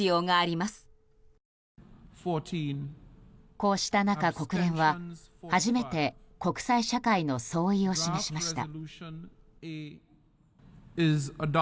こうした中、国連は初めて国際社会の総意を示しました。